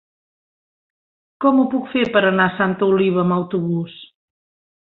Com ho puc fer per anar a Santa Oliva amb autobús?